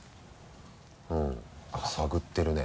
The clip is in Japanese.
うんさぐってるね。